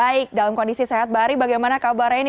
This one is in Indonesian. baik dalam kondisi sehat mbak ari bagaimana kabarnya ini